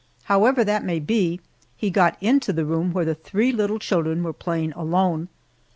However that may be, he got into the room where the three little children were playing alone.